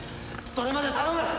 それまで頼む！